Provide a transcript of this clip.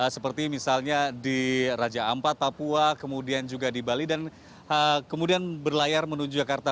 seperti misalnya di raja ampat papua kemudian juga di bali dan kemudian berlayar menuju jakarta